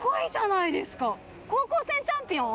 はい高校生チャンピオン。